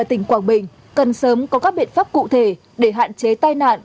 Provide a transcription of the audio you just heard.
đi qua hai xã trạm hóa và dân hóa